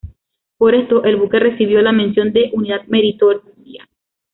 Por esto el buque recibió la Mención de Unidad Meritoria.